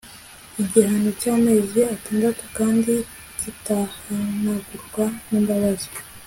igihano cy'amezi atandatu kandi kitahanagurwa n'imbabazi